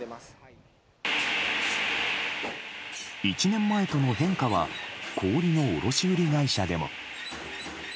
１年前との変化は氷の卸売会社でも。